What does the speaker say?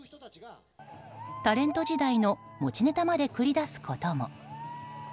タレント時代の持ちネタまで繰り出すことも。